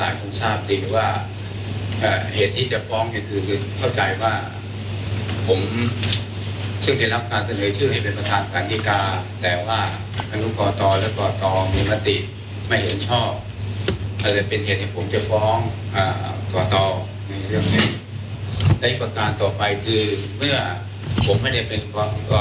แล้วประธานคันนิกาแล้ว